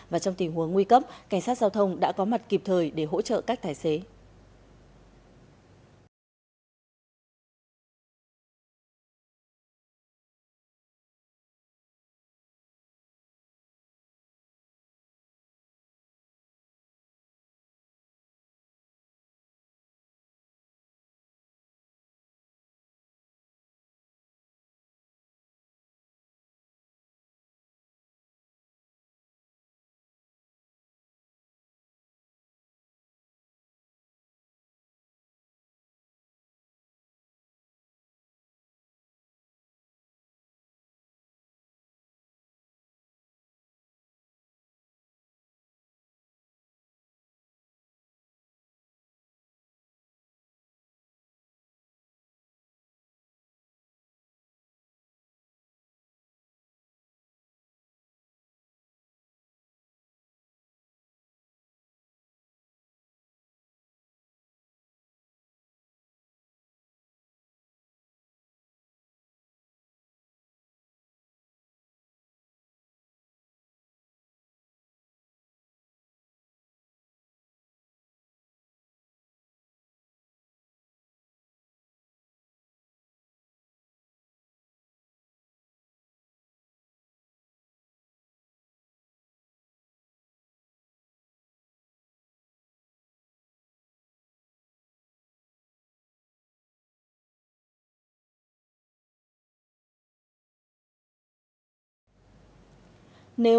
và trong tình huống nguy cấp cảnh sát giao thông đã có mặt kịp thời để hỗ trợ các tài xế